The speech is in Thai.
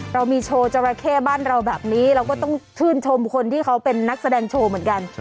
เรามีโชว์จราเข้บ้านเราแบบนี้เราก็ต้องชื่นชมคนที่เขาเป็นนักแสดงโชว์เหมือนกัน